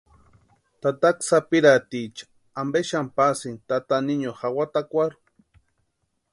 ¿Tataka sapirhaticha ampe xani pasïni tata niño jawatakwarhu?